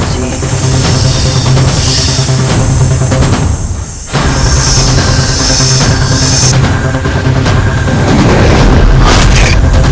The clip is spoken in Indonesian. aku harus bisa keluar kini